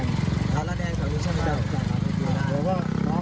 สถานที่แล้วก็ไม่มีตัวหรอก